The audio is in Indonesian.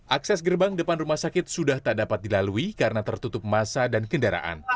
akses gerbang depan rumah sakit sudah tak dapat dilalui karena tertutup masa dan kendaraan